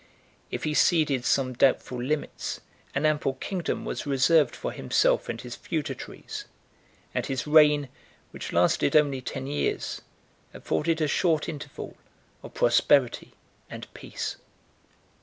If he ceded some doubtful limits, an ample kingdom was reserved for himself and his feudatories; and his reign, which lasted only ten years, afforded a short interval of prosperity and peace.